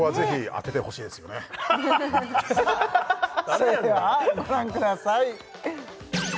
それではご覧ください